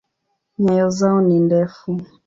Nyayo zao ni ndefu.